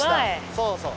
そうそう。